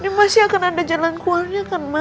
ini masih akan ada jalan keluarnya kan mas